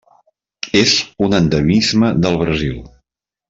És un endemisme del Brasil.